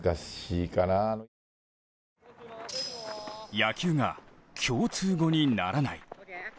野球が共通語にならない。